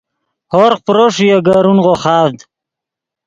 ہورغ پرو ݰوئے اےگے رونغو خاڤد